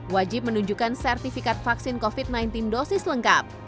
wajib menunjukkan sertifikat vaksin covid sembilan belas dosis lengkap